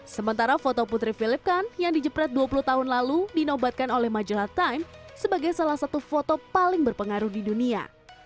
sementara foto putri philiptan yang dijepret dua puluh tahun lalu dinobatkan oleh majalah time sebagai salah satu foto paling berpengaruh di dunia